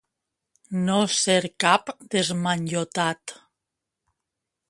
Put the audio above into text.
No ser cap desmanyotat.